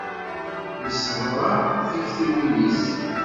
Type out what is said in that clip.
Yesseḍra tiktiwin-is.